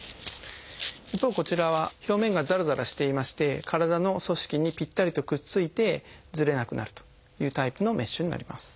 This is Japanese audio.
一方こちらは表面がざらざらしていまして体の組織にぴったりとくっついてずれなくなるというタイプのメッシュになります。